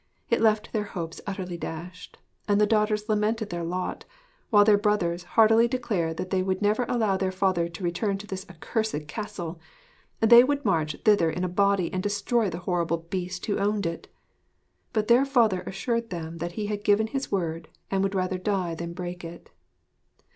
It left their hopes utterly dashed: and the daughters lamented their lot, while their brothers hardily declared that they would never allow their father to return to this accursed castle they would march thither in a body and destroy the horrible Beast who owned it. But their father assured them that he had given his word and would rather die than break it.